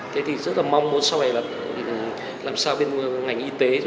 thế thì rất là mong muốn sau này là làm sao bên ngành y tế